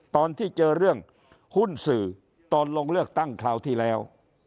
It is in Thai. ตอนที่เจอเรื่องหุ้นสื่อตอนลงเลือกตั้งคราวที่แล้ว